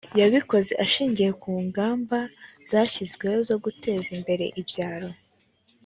yabikoze ashingiye ku ngamba zashyizweho zo guteza imbere ibyaro